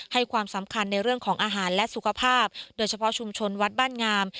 ให้ความสำคัญในเรื่องของอาหารและสุขภาพโดยเฉพาะชุมชนวัดบ้านงาม